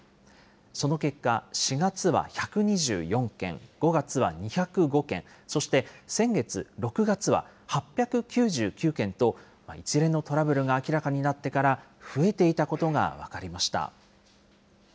その結果、４月は１２４件、５月は２０５件、そして先月・６月は８９９件と、一連のトラブルが明らかになってから増えていたことが分かりました。